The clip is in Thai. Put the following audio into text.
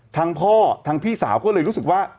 ทั้งพ่อทั้งพี่สาวก็เลยรู้สึกว่า